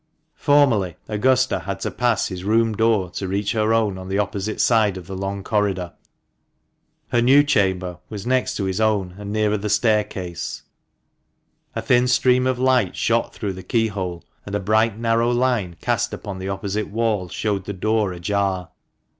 Formerly, Augusta had to pass his room door to reach her own, on the opposite side of the long corridor. Her new chamber was next to his own, and nearer to the staircase. A thin stream of light shot through the key hole, and a bright narrow line cast upon the opposite wall showed the door ajar.